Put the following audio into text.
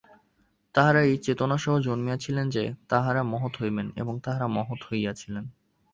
তাঁহারা এই চেতনাসহ জন্মিয়াছিলেন যে, তাঁহারা মহৎ হইবেন, এবং তাঁহারা মহৎ হইয়াছিলেন।